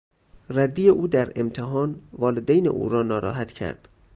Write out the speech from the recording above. ردی او در امتحان والدین او را ناراحت کرد.